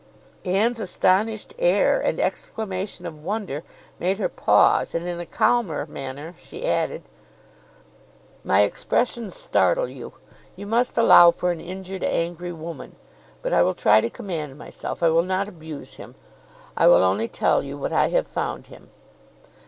Anne's astonished air, and exclamation of wonder, made her pause, and in a calmer manner, she added, "My expressions startle you. You must allow for an injured, angry woman. But I will try to command myself. I will not abuse him. I will only tell you what I have found him.